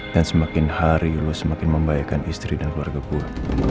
dan semakin hari lo semakin membayangkan istri dan keluarga gue